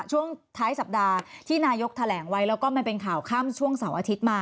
ช่วงท้ายสัปดาห์ที่นายกแถลงไว้แล้วก็มันเป็นข่าวค่ำช่วงเสาร์อาทิตย์มา